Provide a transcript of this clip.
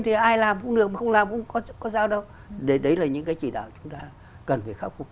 thì ai làm cũng được không làm cũng có sao đâu đấy là những cái chỉ đạo chúng ta cần phải khắc phục